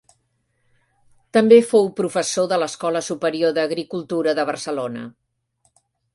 També fou professor de l'Escola Superior d'Agricultura de Barcelona.